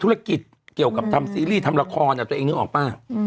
ธุรกิจเกี่ยวกับทำซีรีส์ทำละครตัวเองนึกออกป่ะ